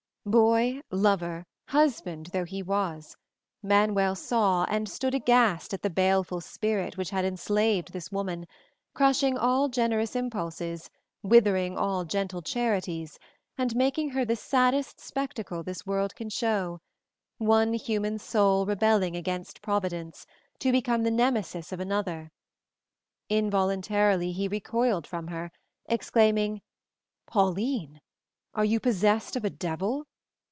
Boy, lover, husband though he was, Manuel saw and stood aghast at the baleful spirit which had enslaved this woman, crushing all generous impulses, withering all gentle charities, and making her the saddest spectacle this world can show one human soul rebelling against Providence, to become the nemesis of another. Involuntarily he recoiled from her, exclaiming, "Pauline! Are you possessed of a devil?"